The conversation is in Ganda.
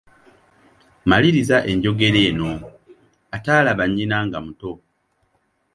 Maliriza enjogera eno, ataalaba nnyina nga muto …